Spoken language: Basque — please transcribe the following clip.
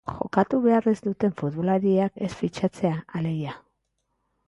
Jokatu behar ez duten futbolariak ez fitxatzea, alegia.